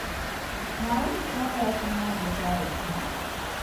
Naawuni ni sɔŋ lala·tiŋ’ ·maa biɛkaali saha.